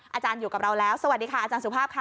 อาจารย์อยู่กับเราแล้วสวัสดีค่ะอาจารย์สุภาพค่ะ